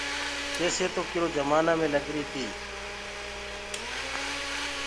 ڪيسي تو ڪِرو جمآنآ مين لَگريٚ تيٚ۔